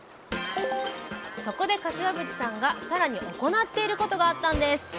そこで柏淵さんがさらに行っていることがあったんです！